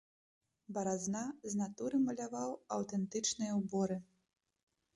Баразна з натуры маляваў аўтэнтычныя ўборы.